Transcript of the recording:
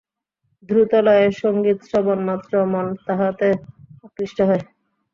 দ্রুত-লয়ের সঙ্গীত-শ্রবণমাত্র মন তাহাতে আকৃষ্ট হয়।